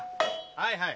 はいはい。